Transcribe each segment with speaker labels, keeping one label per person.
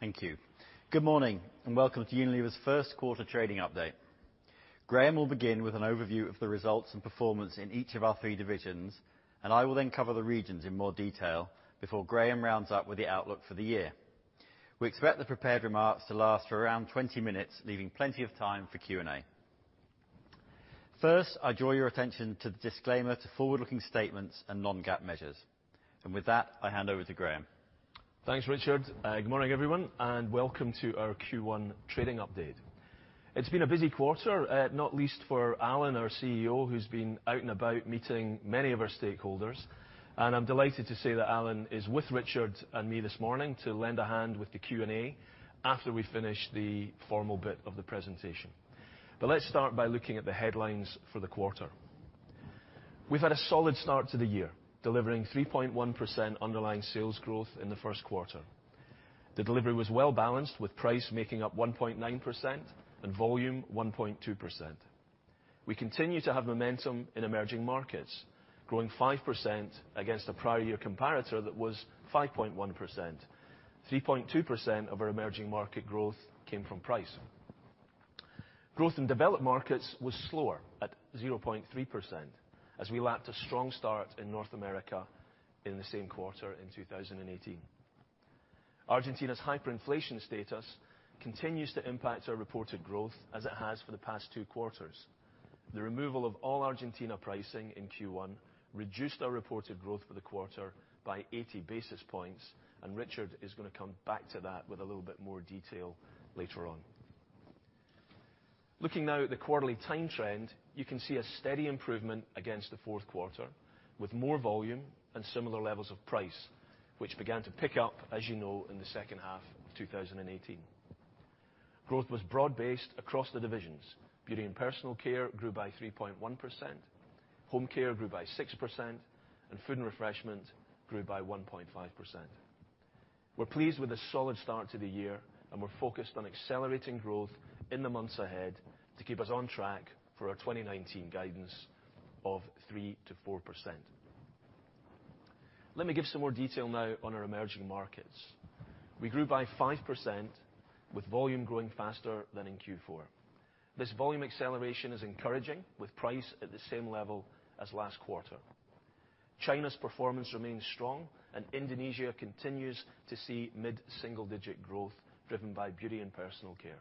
Speaker 1: Thank you. Good morning, welcome to Unilever's first quarter trading update. Graeme will begin with an overview of the results and performance in each of our three divisions, I will then cover the regions in more detail before Graeme rounds up with the outlook for the year. We expect the prepared remarks to last for around 20 minutes, leaving plenty of time for Q&A. First, I draw your attention to the disclaimer to forward-looking statements and non-GAAP measures. With that, I hand over to Graeme.
Speaker 2: Thanks, Richard. Good morning, everyone, welcome to our Q1 trading update. It's been a busy quarter, not least for Alan, our CEO, who's been out and about meeting many of our stakeholders. I'm delighted to say that Alan is with Richard and me this morning to lend a hand with the Q&A after we finish the formal bit of the presentation. Let's start by looking at the headlines for the quarter. We've had a solid start to the year, delivering 3.1% underlying sales growth in the first quarter. The delivery was well-balanced, with price making up 1.9% and volume 1.2%. We continue to have momentum in emerging markets, growing 5% against a prior year comparator that was 5.1%. 3.2% of our emerging market growth came from price. Growth in developed markets was slower, at 0.3%, as we lapped a strong start in North America in the same quarter in 2018. Argentina's hyperinflation status continues to impact our reported growth as it has for the past two quarters. The removal of all Argentina pricing in Q1 reduced our reported growth for the quarter by 80 basis points, Richard is going to come back to that with a little bit more detail later on. Looking now at the quarterly time trend, you can see a steady improvement against the fourth quarter, with more volume and similar levels of price, which began to pick up, as you know, in the second half of 2018. Growth was broad-based across the divisions. Beauty and personal care grew by 3.1%, Home Care grew by 6%, Food and Refreshment grew by 1.5%. We're pleased with a solid start to the year, we're focused on accelerating growth in the months ahead to keep us on track for our 2019 guidance of 3% to 4%. Let me give some more detail now on our emerging markets. We grew by 5%, with volume growing faster than in Q4. This volume acceleration is encouraging, with price at the same level as last quarter. China's performance remains strong, Indonesia continues to see mid-single-digit growth driven by beauty and personal care.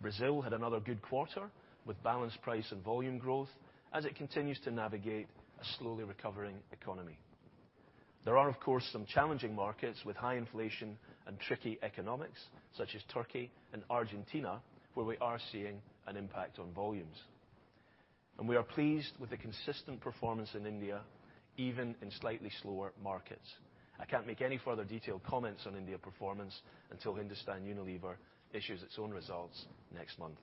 Speaker 2: Brazil had another good quarter with balanced price and volume growth as it continues to navigate a slowly recovering economy. There are, of course, some challenging markets with high inflation and tricky economics, such as Turkey and Argentina, where we are seeing an impact on volumes. We are pleased with the consistent performance in India, even in slightly slower markets. I can't make any further detailed comments on India performance until Hindustan Unilever issues its own results next month.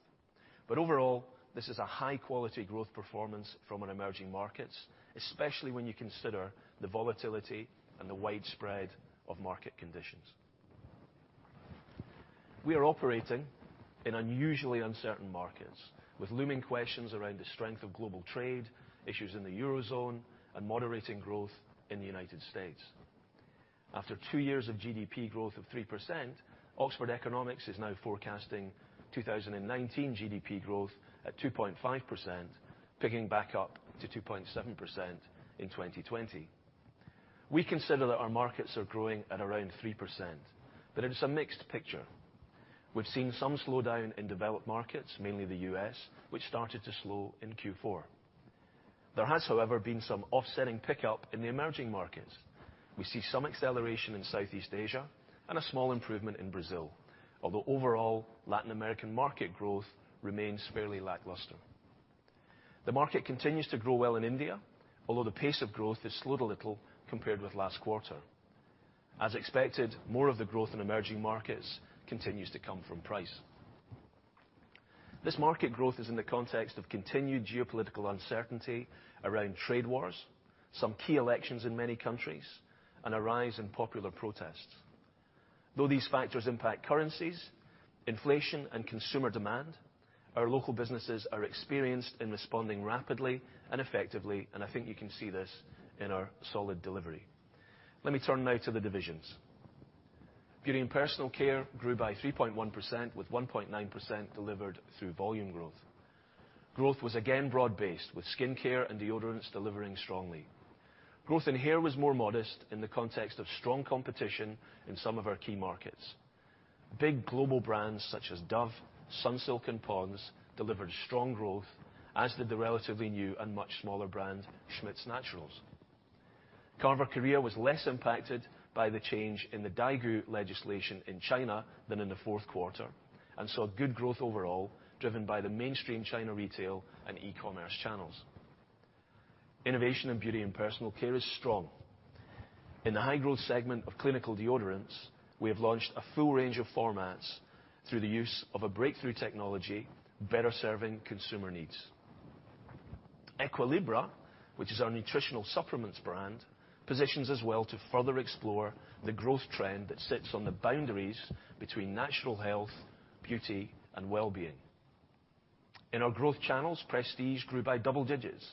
Speaker 2: Overall, this is a high-quality growth performance from our emerging markets, especially when you consider the volatility and the widespread of market conditions. We are operating in unusually uncertain markets, with looming questions around the strength of global trade, issues in the Eurozone, and moderating growth in the U.S. After two years of GDP growth of 3%, Oxford Economics is now forecasting 2019 GDP growth at 2.5%, picking back up to 2.7% in 2020. We consider that our markets are growing at around 3%, it is a mixed picture. We've seen some slowdown in developed markets, mainly the U.S., which started to slow in Q4. There has, however, been some offsetting pickup in the emerging markets. We see some acceleration in Southeast Asia and a small improvement in Brazil, although overall Latin American market growth remains fairly lackluster. The market continues to grow well in India, although the pace of growth has slowed a little compared with last quarter. As expected, more of the growth in emerging markets continues to come from price. This market growth is in the context of continued geopolitical uncertainty around trade wars, some key elections in many countries, and a rise in popular protests. Though these factors impact currencies, inflation, and consumer demand, our local businesses are experienced in responding rapidly and effectively, and I think you can see this in our solid delivery. Let me turn now to the divisions. Beauty and personal care grew by 3.1%, with 1.9% delivered through volume growth. Growth was again broad-based, with skincare and deodorants delivering strongly. Growth in hair was more modest in the context of strong competition in some of our key markets. Big global brands such as Dove, Sunsilk, and Pond's delivered strong growth, as did the relatively new and much smaller brand, Schmidt's Naturals. Carver Korea was less impacted by the change in the Daigou legislation in China than in the fourth quarter and saw good growth overall, driven by the mainstream China retail and e-commerce channels. Innovation in beauty and personal care is strong. In the high-growth segment of clinical deodorants, we have launched a full range of formats through the use of a breakthrough technology better serving consumer needs. Equilibra, which is our nutritional supplements brand, positions us well to further explore the growth trend that sits on the boundaries between natural health, beauty, and wellbeing. In our growth channels, prestige grew by double digits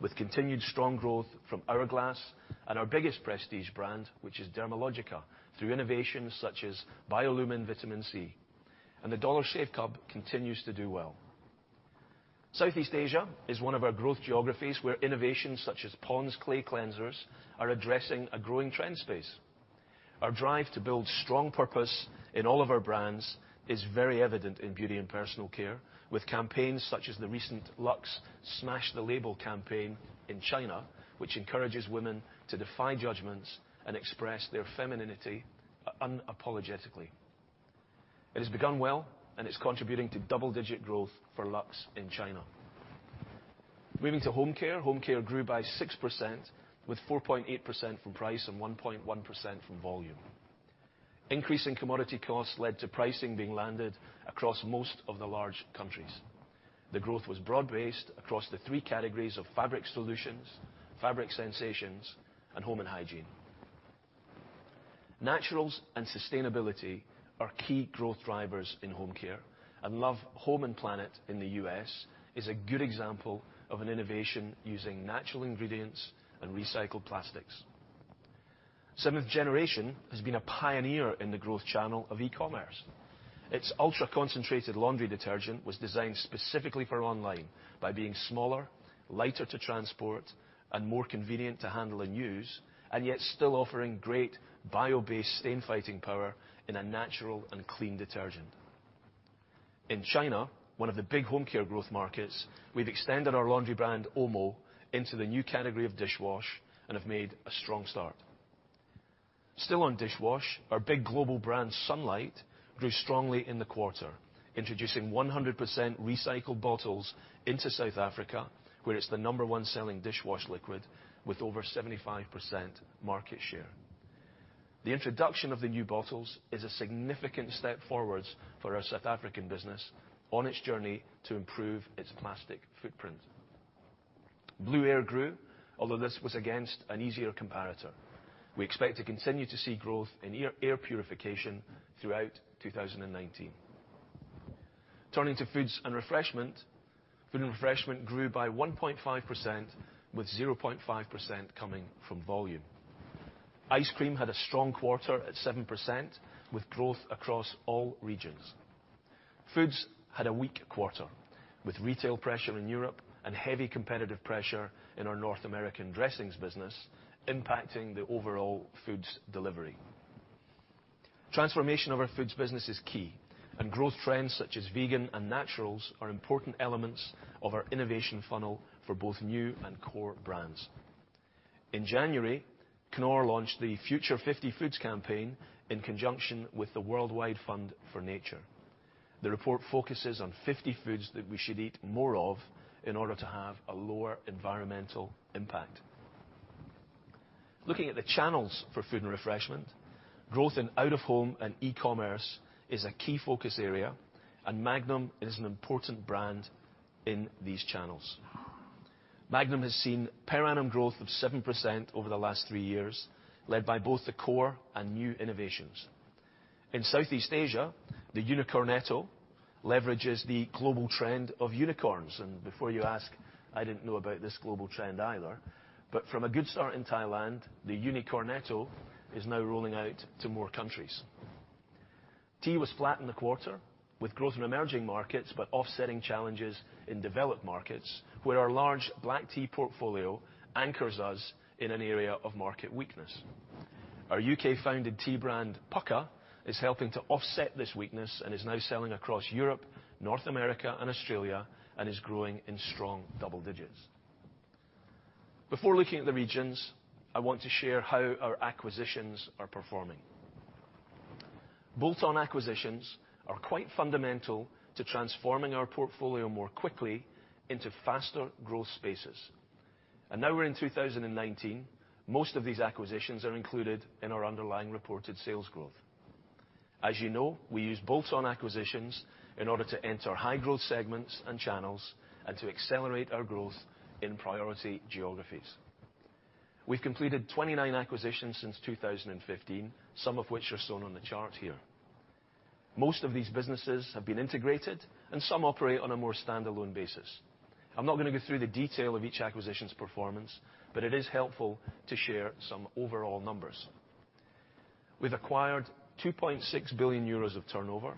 Speaker 2: with continued strong growth from Hourglass and our biggest prestige brand, which is Dermalogica, through innovations such as BioLumin-C. The Dollar Shave Club continues to do well. Southeast Asia is one of our growth geographies where innovations such as Pond's clay cleansers are addressing a growing trend space. Our drive to build strong purpose in all of our brands is very evident in beauty and personal care with campaigns such as the recent Lux Smash the Label campaign in China, which encourages women to defy judgments and express their femininity unapologetically. It has begun well, it's contributing to double-digit growth for Lux in China. Moving to home care. Home care grew by 6% with 4.8% from price and 1.1% from volume. Increasing commodity costs led to pricing being landed across most of the large countries. The growth was broad-based across the 3 categories of fabric solutions, fabric sensations, and home and hygiene. Naturals and sustainability are key growth drivers in home care, and Love Home and Planet in the U.S. is a good example of an innovation using natural ingredients and recycled plastics. Seventh Generation has been a pioneer in the growth channel of e-commerce. Its ultra-concentrated laundry detergent was designed specifically for online by being smaller, lighter to transport, and more convenient to handle and use, and yet still offering great bio-based stain-fighting power in a natural and clean detergent. In China, one of the big home care growth markets, we've extended our laundry brand, Omo, into the new category of dishwash and have made a strong start. Still on dishwash, our big global brand, Sunlight, grew strongly in the quarter, introducing 100% recycled bottles into South Africa, where it's the number 1 selling dishwash liquid with over 75% market share. The introduction of the new bottles is a significant step forwards for our South African business on its journey to improve its plastic footprint. Blueair grew, although this was against an easier comparator. We expect to continue to see growth in air purification throughout 2019. Turning to foods and refreshment. Food and refreshment grew by 1.5%, with 0.5% coming from volume. Ice cream had a strong quarter at 7%, with growth across all regions. Foods had a weak quarter, with retail pressure in Europe and heavy competitive pressure in our North American dressings business impacting the overall foods delivery. Transformation of our foods business is key, and growth trends such as vegan and naturals are important elements of our innovation funnel for both new and core brands. In January, Knorr launched the Future 50 Foods campaign in conjunction with the World Wide Fund for Nature. The report focuses on 50 foods that we should eat more of in order to have a lower environmental impact. Looking at the channels for food and refreshment, growth in out of home and e-commerce is a key focus area, and Magnum is an important brand in these channels. Magnum has seen per annum growth of 7% over the last three years, led by both the core and new innovations. In Southeast Asia, the UniCornetto leverages the global trend of unicorns. Before you ask, I didn't know about this global trend either, but from a good start in Thailand, the UniCornetto is now rolling out to more countries. Tea was flat in the quarter, with growth in emerging markets, but offsetting challenges in developed markets where our large black tea portfolio anchors us in an area of market weakness. Our U.K.-founded tea brand, Pukka, is helping to offset this weakness and is now selling across Europe, North America, and Australia, and is growing in strong double digits. Before looking at the regions, I want to share how our acquisitions are performing. Bolt-on acquisitions are quite fundamental to transforming our portfolio more quickly into faster growth spaces. Now we're in 2019, most of these acquisitions are included in our underlying reported sales growth. As you know, we use bolt-on acquisitions in order to enter high-growth segments and channels and to accelerate our growth in priority geographies. We've completed 29 acquisitions since 2015, some of which are shown on the chart here. Most of these businesses have been integrated, and some operate on a more standalone basis. I'm not going to go through the detail of each acquisition's performance, but it is helpful to share some overall numbers. We've acquired 2.6 billion euros of turnover,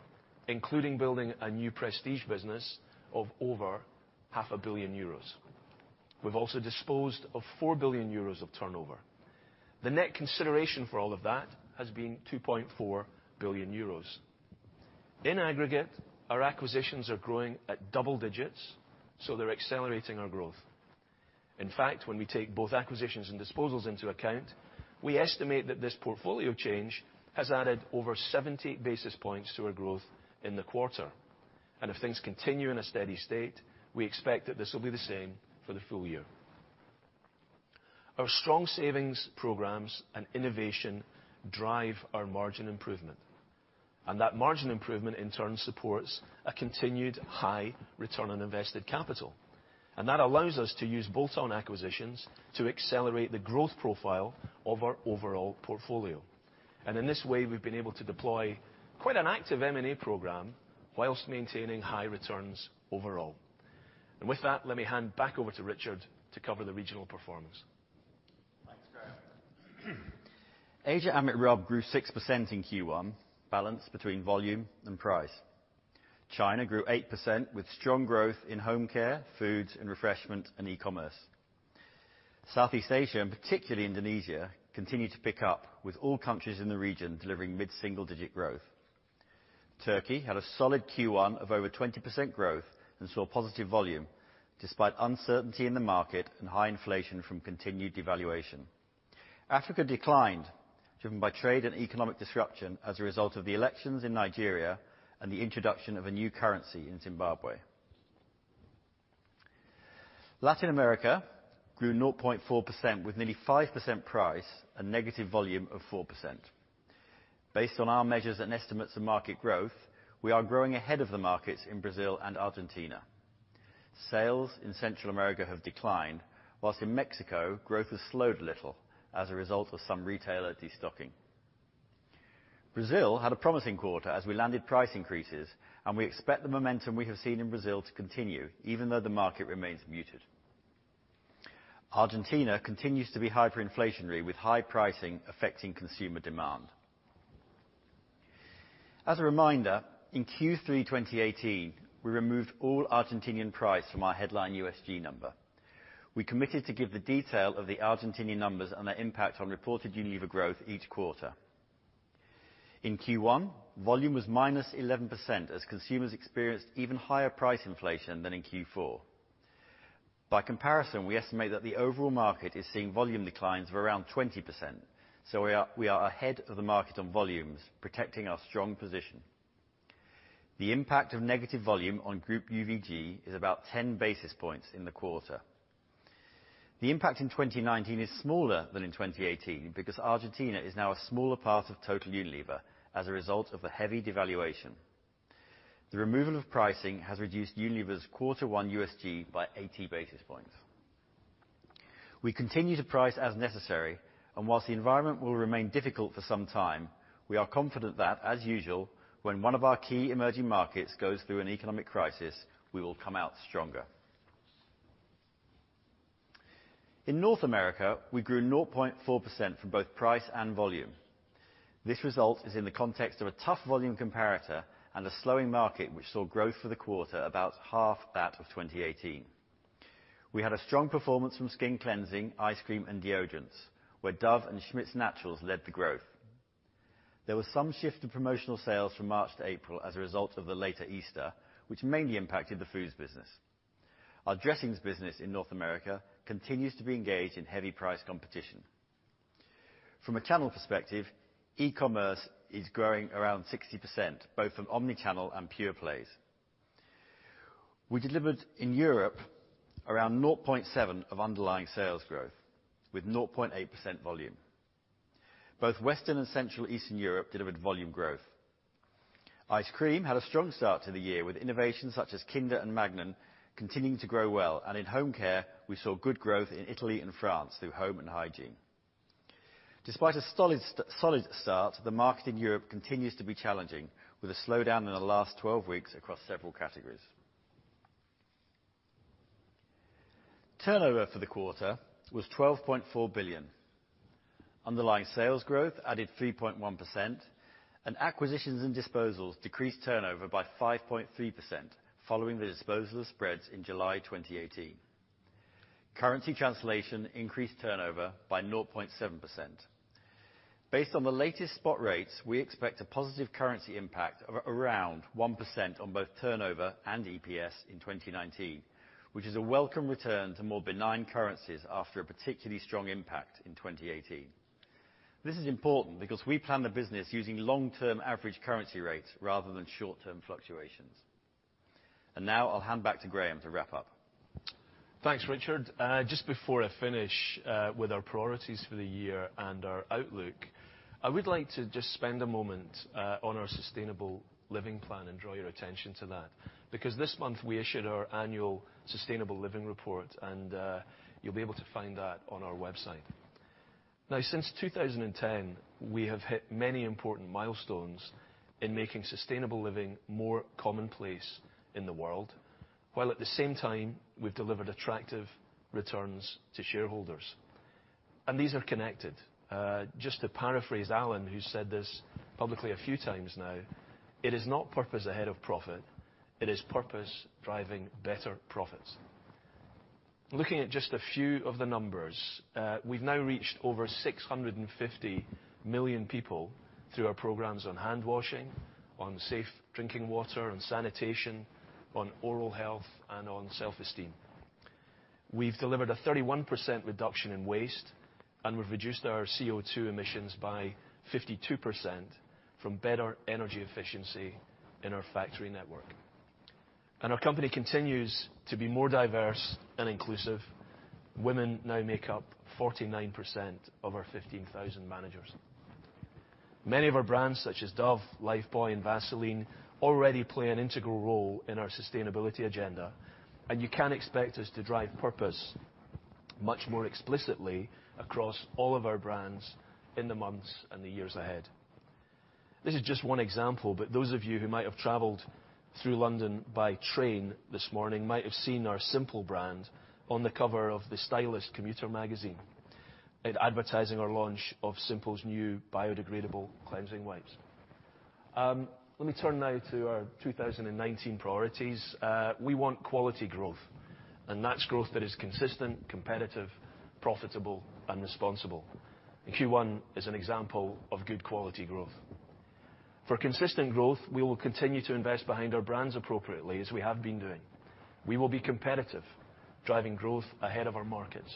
Speaker 2: including building a new prestige business of over half a billion euros. We've also disposed of 4 billion euros of turnover. The net consideration for all of that has been 2.4 billion euros. In aggregate, our acquisitions are growing at double digits, so they're accelerating our growth. In fact, when we take both acquisitions and disposals into account, we estimate that this portfolio change has added over 70 basis points to our growth in the quarter. If things continue in a steady state, we expect that this will be the same for the full year. Our strong savings programs and innovation drive our margin improvement, and that margin improvement in turn supports a continued high return on invested capital. That allows us to use bolt-on acquisitions to accelerate the growth profile of our overall portfolio. In this way, we've been able to deploy quite an active M&A program whilst maintaining high returns overall. With that, let me hand back over to Richard to cover the regional performance.
Speaker 1: Thanks, Graeme. Asia/AMET/RUB grew 6% in Q1, balanced between volume and price. China grew 8% with strong growth in Home Care, Foods and Refreshment, and e-commerce. Southeast Asia, and particularly Indonesia, continued to pick up with all countries in the region delivering mid-single digit growth. Turkey had a solid Q1 of over 20% growth and saw positive volume despite uncertainty in the market and high inflation from continued devaluation. Africa declined, driven by trade and economic disruption as a result of the elections in Nigeria and the introduction of a new currency in Zimbabwe. Latin America grew 0.4% with nearly 5% price and negative volume of 4%. Based on our measures and estimates of market growth, we are growing ahead of the markets in Brazil and Argentina. Sales in Central America have declined, whilst in Mexico, growth has slowed a little as a result of some retailer destocking. Brazil had a promising quarter as we landed price increases. We expect the momentum we have seen in Brazil to continue, even though the market remains muted. Argentina continues to be hyperinflationary with high pricing affecting consumer demand. As a reminder, in Q3 2018, we removed all Argentinian price from our headline USG number. We committed to give the detail of the Argentinian numbers and their impact on reported Unilever growth each quarter. In Q1, volume was minus 11% as consumers experienced even higher price inflation than in Q4. By comparison, we estimate that the overall market is seeing volume declines of around 20%, so we are ahead of the market on volumes, protecting our strong position. The impact of negative volume on group UVG is about 10 basis points in the quarter. The impact in 2019 is smaller than in 2018 because Argentina is now a smaller part of total Unilever as a result of the heavy devaluation. The removal of pricing has reduced Unilever's quarter one USG by 80 basis points. We continue to price as necessary, and whilst the environment will remain difficult for some time, we are confident that, as usual, when one of our key emerging markets goes through an economic crisis, we will come out stronger. In North America, we grew 0.4% from both price and volume. This result is in the context of a tough volume comparator and a slowing market, which saw growth for the quarter about half that of 2018. We had a strong performance from skin cleansing, ice cream, and deodorants, where Dove and Schmidt's Naturals led the growth. There was some shift in promotional sales from March to April as a result of the later Easter, which mainly impacted the foods business. Our dressings business in North America continues to be engaged in heavy price competition. From a channel perspective, e-commerce is growing around 60%, both from omni-channel and pure plays. We delivered in Europe around 0.7 of underlying sales growth, with 0.8% volume. Both Western and Central Eastern Europe delivered volume growth. Ice cream had a strong start to the year with innovations such as Kinder and Magnum continuing to grow well, and in Home Care, we saw good growth in Italy and France through home and hygiene. Despite a solid start, the market in Europe continues to be challenging, with a slowdown in the last 12 weeks across several categories. Turnover for the quarter was 12.4 billion. Underlying sales growth added 3.1%, acquisitions and disposals decreased turnover by 5.3%, following the disposal of spreads in July 2018. Currency translation increased turnover by 0.7%. Based on the latest spot rates, we expect a positive currency impact of around 1% on both turnover and EPS in 2019, which is a welcome return to more benign currencies after a particularly strong impact in 2018. This is important because we plan the business using long-term average currency rates rather than short-term fluctuations. Now I'll hand back to Graeme to wrap up.
Speaker 2: Thanks, Richard. Just before I finish with our priorities for the year and our outlook, I would like to just spend a moment on our Sustainable Living Plan and draw your attention to that, because this month we issued our annual Sustainable Living Report, and you'll be able to find that on our website. Since 2010, we have hit many important milestones in making sustainable living more commonplace in the world, while at the same time, we've delivered attractive returns to shareholders. These are connected. Just to paraphrase Alan, who said this publicly a few times now, it is not purpose ahead of profit, it is purpose driving better profits. Looking at just a few of the numbers, we've now reached over 650 million people through our programs on hand washing, on safe drinking water and sanitation, on oral health, and on self-esteem. We've delivered a 31% reduction in waste, we've reduced our CO2 emissions by 52% from better energy efficiency in our factory network. Our company continues to be more diverse and inclusive. Women now make up 49% of our 15,000 managers. Many of our brands such as Dove, Lifebuoy, and Vaseline already play an integral role in our sustainability agenda, and you can expect us to drive purpose much more explicitly across all of our brands in the months and the years ahead. This is just one example, but those of you who might have traveled through London by train this morning might have seen our Simple brand on the cover of "The Stylist" commuter magazine. It advertising our launch of Simple's new biodegradable cleansing wipes. Let me turn now to our 2019 priorities. We want quality growth, and that's growth that is consistent, competitive, profitable, and responsible. Q1 is an example of good quality growth. For consistent growth, we will continue to invest behind our brands appropriately as we have been doing. We will be competitive, driving growth ahead of our markets.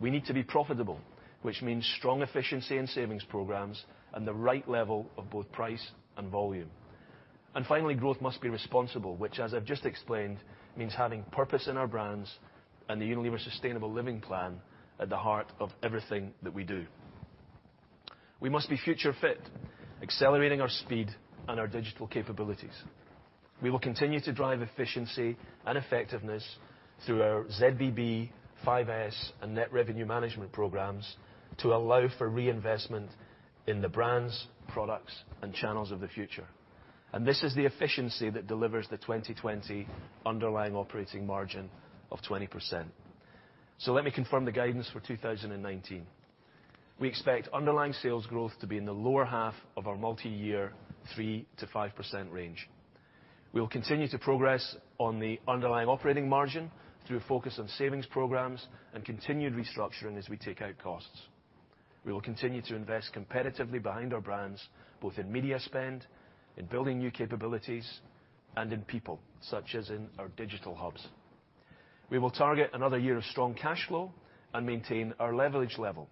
Speaker 2: We need to be profitable, which means strong efficiency and savings programs and the right level of both price and volume. Finally, growth must be responsible, which, as I've just explained, means having purpose in our brands and the Unilever Sustainable Living Plan at the heart of everything that we do. We must be future fit, accelerating our speed and our digital capabilities. We will continue to drive efficiency and effectiveness through our ZBB, 5S, and net revenue management programs to allow for reinvestment in the brands, products, and channels of the future. This is the efficiency that delivers the 2020 underlying operating margin of 20%. Let me confirm the guidance for 2019. We expect underlying sales growth to be in the lower half of our multi-year 3%-5% range. We will continue to progress on the underlying operating margin through a focus on savings programs and continued restructuring as we take out costs. We will continue to invest competitively behind our brands, both in media spend, in building new capabilities, and in people, such as in our digital hubs. We will target another year of strong cash flow and maintain our leverage level.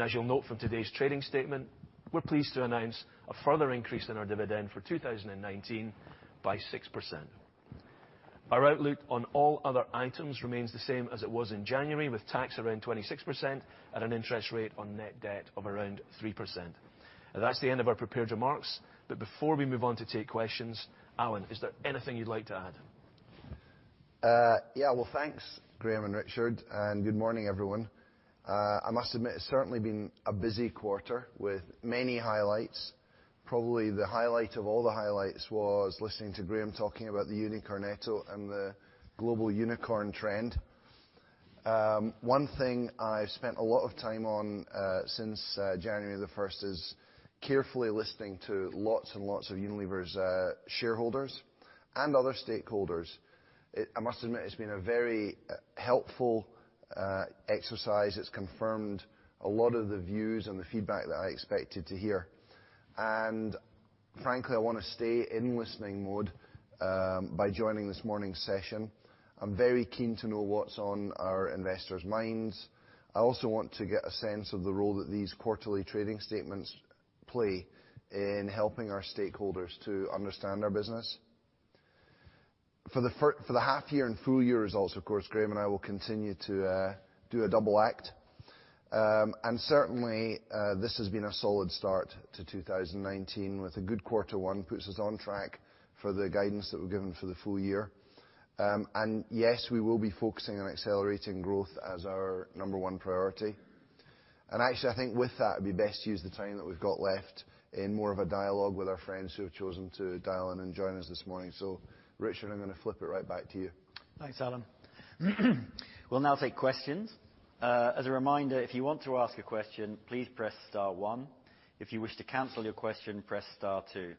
Speaker 2: As you'll note from today's trading statement, we're pleased to announce a further increase in our dividend for 2019 by 6%. Our outlook on all other items remains the same as it was in January, with tax around 26% at an interest rate on net debt of around 3%. That's the end of our prepared remarks, but before we move on to take questions, Alan, is there anything you'd like to add?
Speaker 3: Well, thanks, Graeme and Richard, and good morning, everyone. I must admit, it's certainly been a busy quarter with many highlights. Probably the highlight of all the highlights was listening to Graeme talking about the UniCornetto and the global unicorn trend. One thing I've spent a lot of time on since January the 1st is carefully listening to lots and lots of Unilever's shareholders and other stakeholders. I must admit, it's been a very helpful exercise. It's confirmed a lot of the views and the feedback that I expected to hear. Frankly, I want to stay in listening mode by joining this morning's session. I'm very keen to know what's on our investors' minds. I also want to get a sense of the role that these quarterly trading statements play in helping our stakeholders to understand our business. For the half year and full year results, of course, Graeme and I will continue to do a double act. Certainly, this has been a solid start to 2019, with a good quarter one, puts us on track for the guidance that we've given for the full year. Yes, we will be focusing on accelerating growth as our number 1 priority. Actually, I think with that, it'd be best to use the time that we've got left in more of a dialogue with our friends who have chosen to dial in and join us this morning. Richard, I'm going to flip it right back to you.
Speaker 2: Thanks, Alan. We'll now take questions. As a reminder, if you want to ask a question, please press star 1. If you wish to cancel your question, please press star 2.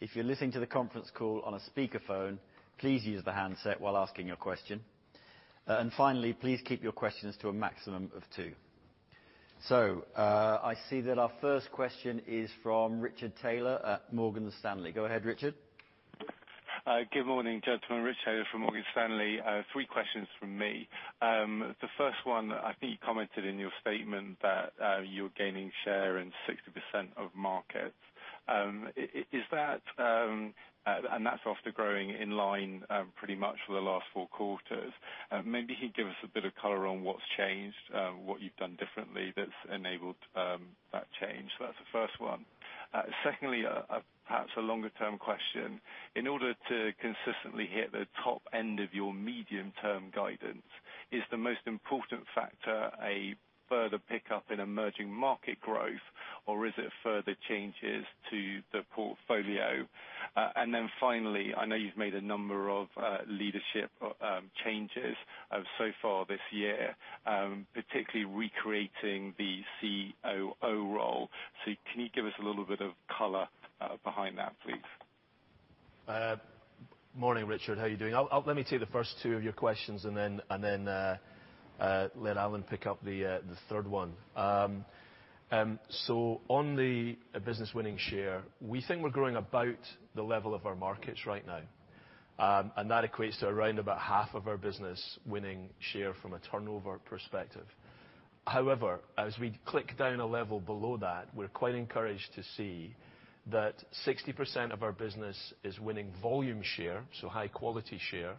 Speaker 2: If you're listening to the conference call on a speakerphone, please use the handset while asking your question. Finally, please keep your questions to a maximum of two. I see that our first question is from Richard Taylor at Morgan Stanley. Go ahead, Richard.
Speaker 4: Good morning, gentlemen. Rich Taylor from Morgan Stanley. Three questions from me. The first one, I think you commented in your statement that you're gaining share in 60% of markets. That's after growing in line pretty much for the last four quarters. Maybe can you give us a bit of color on what's changed, what you've done differently that's enabled that change? That's the first one. Secondly, perhaps a longer term question. In order to consistently hit the top end of your medium term guidance, is the most important factor a further pickup in emerging market growth, or is it further changes to the portfolio? Finally, I know you've made a number of leadership changes so far this year, particularly recreating the COO role. Can you give us a little bit of color behind that, please?
Speaker 2: Morning, Richard. How are you doing? Let me take the first two of your questions and then let Alan pick up the third one. On the business winning share, we think we're growing about the level of our markets right now. That equates to around about half of our business winning share from a turnover perspective. However, as we click down a level below that, we're quite encouraged to see that 60% of our business is winning volume share, so high quality share,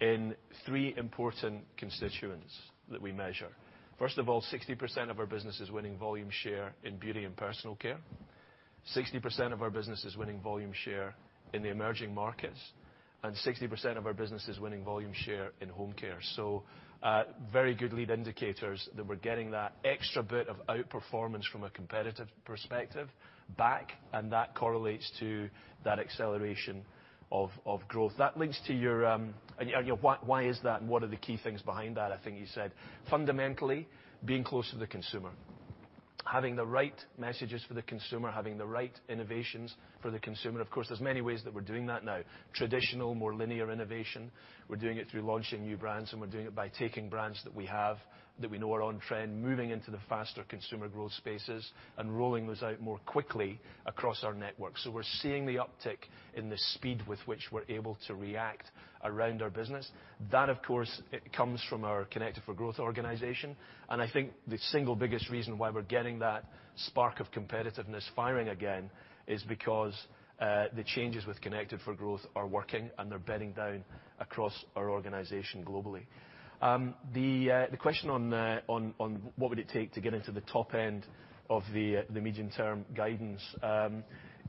Speaker 2: in three important constituents that we measure. First of all, 60% of our business is winning volume share in beauty and personal care, 60% of our business is winning volume share in the emerging markets, and 60% of our business is winning volume share in home care. Very good lead indicators that we're getting that extra bit of outperformance from a competitive perspective back, and that correlates to that acceleration of growth. That leads to your why is that, and what are the key things behind that, I think you said. Fundamentally, being close to the consumer, having the right messages for the consumer, having the right innovations for the consumer. Of course, there's many ways that we're doing that now. Traditional, more linear innovation. We're doing it through launching new brands, and we're doing it by taking brands that we have that we know are on trend, moving into the faster consumer growth spaces and rolling those out more quickly across our network. We're seeing the uptick in the speed with which we're able to react around our business. That, of course, comes from our Connected for Growth organization. I think the single biggest reason why we're getting that spark of competitiveness firing again is because the changes with Connected for Growth are working, and they're bedding down across our organization globally. The question on what would it take to get into the top end of the medium-term guidance,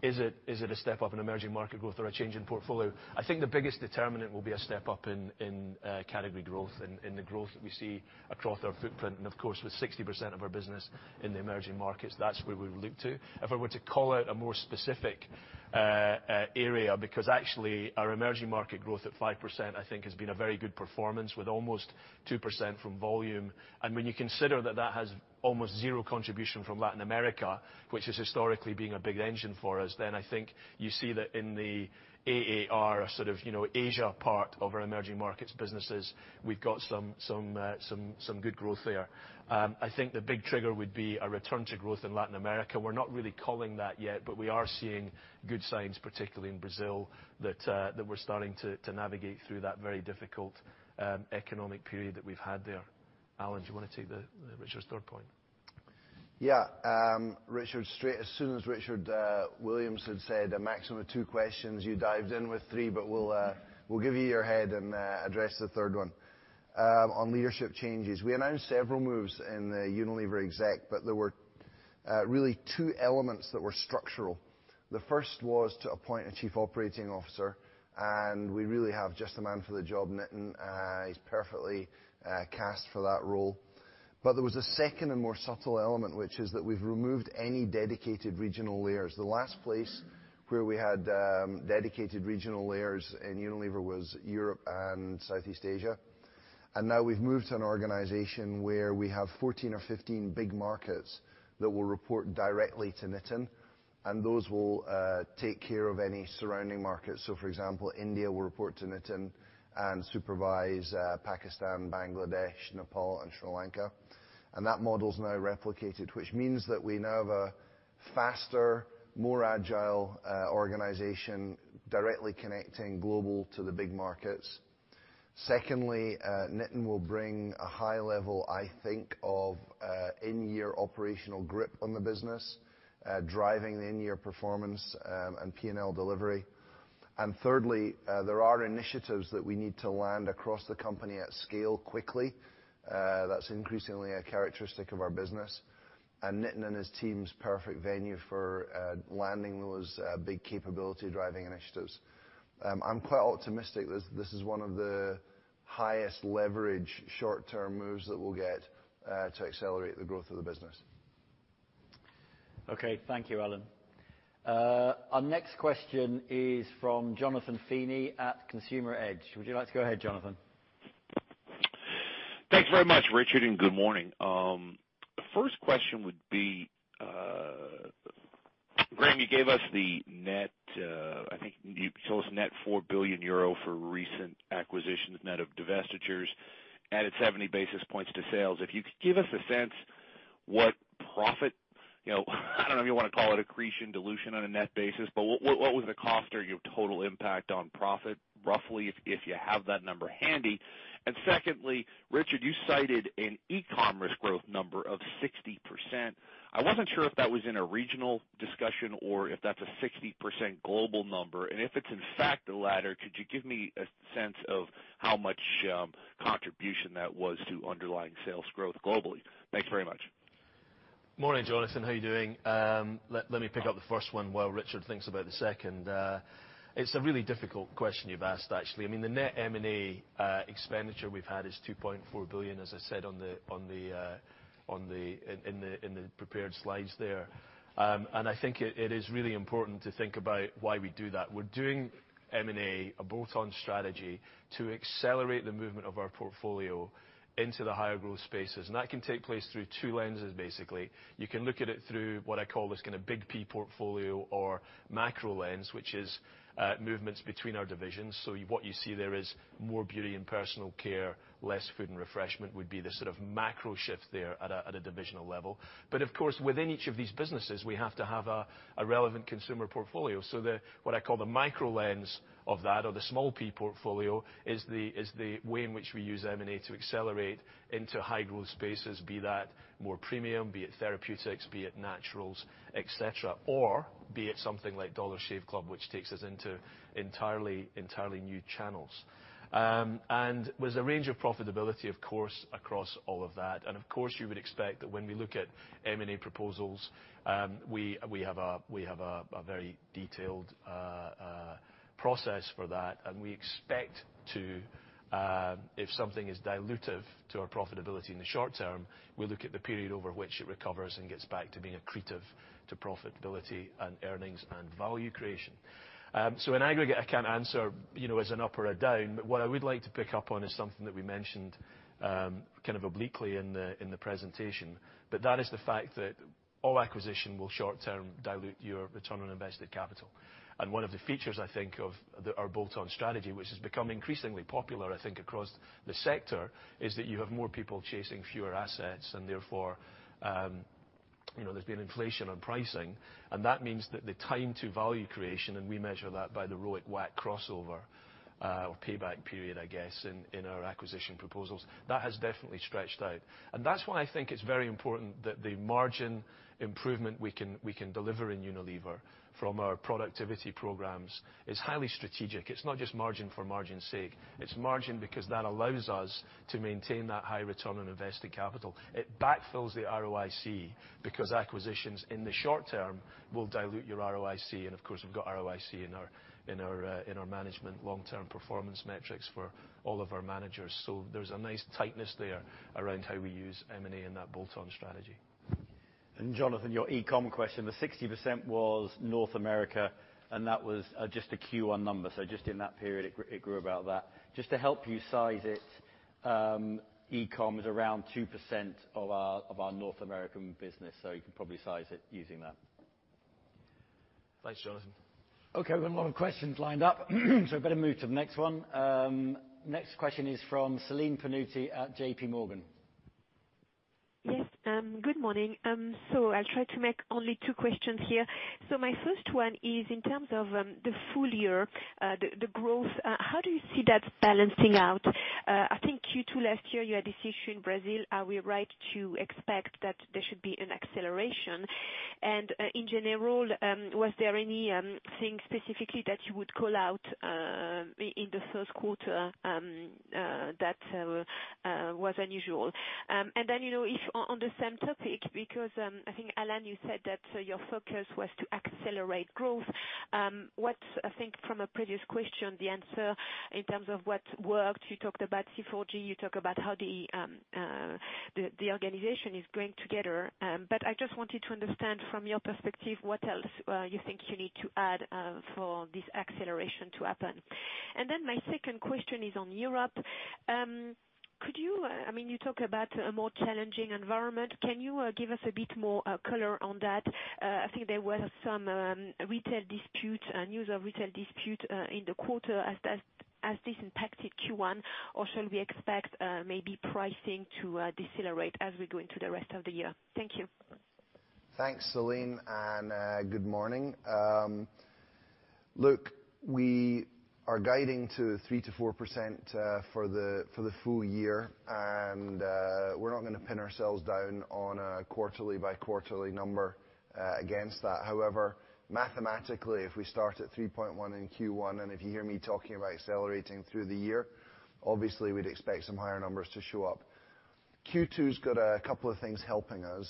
Speaker 2: is it a step up in emerging market growth or a change in portfolio? I think the biggest determinant will be a step up in category growth and in the growth that we see across our footprint. Of course, with 60% of our business in the emerging markets, that's where we would look to. If I were to call out a more specific area, because actually our emerging market growth at 5% I think has been a very good performance with almost 2% from volume. When you consider that that has almost zero contribution from Latin America, which has historically been a big engine for us, I think you see that in the AAR sort of Asia part of our emerging markets businesses, we've got some good growth there. I think the big trigger would be a return to growth in Latin America. We're not really calling that yet, but we are seeing good signs, particularly in Brazil, that we're starting to navigate through that very difficult economic period that we've had there. Alan, do you want to take Richard's third point?
Speaker 3: As soon as Richard Williams had said a maximum of two questions, you dived in with three, we'll give you your head and address the third one. On leadership changes, we announced several moves in the Unilever exec, there were really two elements that were structural. The first was to appoint a Chief Operating Officer, we really have just the man for the job, Nitin. He's perfectly cast for that role. There was a second and more subtle element, which is that we've removed any dedicated regional layers. The last place where we had dedicated regional layers in Unilever was Europe and Southeast Asia. Now we've moved to an organization where we have 14 or 15 big markets that will report directly to Nitin, and those will take care of any surrounding markets. For example, India will report to Nitin and supervise Pakistan, Bangladesh, Nepal, and Sri Lanka. That model is now replicated, which means that we now have a faster, more agile organization directly connecting global to the big markets. Secondly, Nitin will bring a high level, I think, of in-year operational grip on the business, driving the in-year performance and P&L delivery. Thirdly, there are initiatives that we need to land across the company at scale quickly. That's increasingly a characteristic of our business, and Nitin and his team is perfect venue for landing those big capability driving initiatives. I'm quite optimistic this is one of the highest leverage short-term moves that we'll get to accelerate the growth of the business.
Speaker 1: Thank you, Alan. Our next question is from Jonathan Feeney at Consumer Edge. Would you like to go ahead, Jonathan?
Speaker 5: Thanks very much, Richard, good morning. The first question would be, Graeme, you gave us the net, I think you told us net 4 billion euro for recent acquisitions, net of divestitures, added 70 basis points to sales. If you could give us a sense what profit, I don't know if you want to call it accretion, dilution on a net basis, what was the cost or your total impact on profit roughly, if you have that number handy? Secondly, Richard, you cited an e-commerce growth number of 60%. I wasn't sure if that was in a regional discussion or if that's a 60% global number. If it's in fact the latter, could you give me a sense of how much contribution that was to underlying sales growth globally? Thanks very much.
Speaker 2: Morning, Jonathan. How are you doing? Let me pick up the first one while Richard thinks about the second. It's a really difficult question you've asked, actually. I mean, the net M&A expenditure we've had is 2.4 billion, as I said in the prepared slides. I think it is really important to think about why we do that. We're doing M&A, a bolt-on strategy, to accelerate the movement of our portfolio into the higher growth spaces. That can take place through two lenses, basically. You can look at it through what I call this kind of big P portfolio or macro lens, which is movements between our divisions. What you see there is more beauty and personal care, less food and refreshment, would be the sort of macro shift there at a divisional level. Of course, within each of these businesses, we have to have a relevant consumer portfolio. What I call the micro lens of that, or the small P portfolio, is the way in which we use M&A to accelerate into high growth spaces, be that more premium, be it therapeutics, be it naturals, et cetera. Or be it something like Dollar Shave Club, which takes us into entirely new channels. There's a range of profitability, of course, across all of that. Of course, you would expect that when we look at M&A proposals, we have a very detailed process for that, and we expect to, if something is dilutive to our profitability in the short term, we look at the period over which it recovers and gets back to being accretive to profitability and earnings and value creation. In aggregate, I can't answer as an up or a down, but what I would like to pick up on is something that we mentioned obliquely in the presentation, but that is the fact that all acquisition will short-term dilute your ROIC. One of the features, I think, of our bolt-on strategy, which has become increasingly popular, I think, across the sector, is that you have more people chasing fewer assets, and therefore, there's been inflation on pricing. That means that the time to value creation, and we measure that by the ROIC WACC crossover, or payback period, I guess, in our acquisition proposals. That has definitely stretched out. That's why I think it's very important that the margin improvement we can deliver in Unilever from our productivity programs is highly strategic. It's not just margin for margin's sake. It's margin because that allows us to maintain that high ROIC. It backfills the ROIC, because acquisitions in the short-term will dilute your ROIC. Of course, we've got ROIC in our management long-term performance metrics for all of our managers. There's a nice tightness there around how we use M&A in that bolt-on strategy.
Speaker 1: Jonathan, your e-com question, the 60% was North America, and that was just a Q1 number. Just in that period, it grew about that. Just to help you size it, e-com is around 2% of our North American business, you can probably size it using that.
Speaker 2: Thanks, Jonathan.
Speaker 1: We've got a lot of questions lined up, I better move to the next one. Next question is from Celine Pannuti at JPMorgan.
Speaker 6: Good morning. I'll try to make only two questions here. My first one is in terms of the full year, the growth, how do you see that balancing out? I think Q2 last year, you had this issue in Brazil. Are we right to expect that there should be an acceleration? In general, was there anything specifically that you would call out in the first quarter that was unusual? Then, if on the same topic, because, I think, Alan, you said that your focus was to accelerate growth. What, I think from a previous question, the answer in terms of what worked, you talked about C4G, you talk about how the organization is growing together. I just wanted to understand from your perspective, what else you think you need to add for this acceleration to happen. My second question is on Europe. You talk about a more challenging environment. Can you give us a bit more color on that? I think there were some retail disputes, news of retail dispute in the quarter as this impacted Q1, or shall we expect maybe pricing to decelerate as we go into the rest of the year? Thank you.
Speaker 3: Thanks, Celine, and good morning. Look, we are guiding to 3%-4% for the full year. We're not going to pin ourselves down on a quarterly by quarterly number against that. However, mathematically, if we start at 3.1 in Q1, if you hear me talking about accelerating through the year, obviously we'd expect some higher numbers to show up. Q2's got a couple of things helping us.